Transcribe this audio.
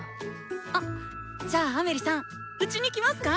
あっじゃあアメリさんうちに来ますか